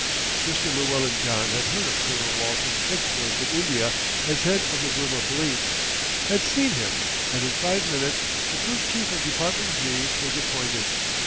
Mr. Llewellyn John had heard of Colonel Walton's exploits in India as head of the Burmah Police, had seen him, and in five minutes the first Chief of Department Z. was appointed.